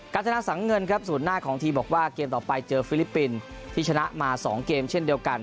ธนาสังเงินครับศูนย์หน้าของทีมบอกว่าเกมต่อไปเจอฟิลิปปินส์ที่ชนะมา๒เกมเช่นเดียวกัน